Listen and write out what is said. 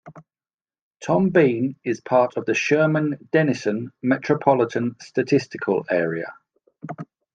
Tom Bean is part of the Sherman-Denison Metropolitan Statistical Area.